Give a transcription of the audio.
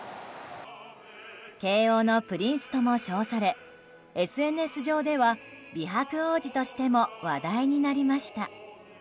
慶應のプリンスとも称されＳＮＳ上では美白王子としても話題になりました。